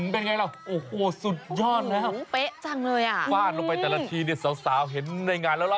เป็นไงล่ะโอ้โฮสุดยอดนะครับฟ่านลงไปแต่ละทีสาวเห็นในงานแล้วล่ะ